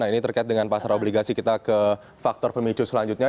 nah ini terkait dengan pasar obligasi kita ke faktor pemicu selanjutnya